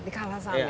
di kalasan ya